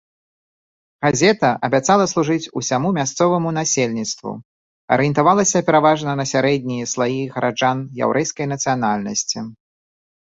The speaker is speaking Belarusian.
Газета абяцала служыць усяму мясцоваму насельніцтву, арыентавалася пераважна на сярэднія слаі гараджан яўрэйскай нацыянальнасці.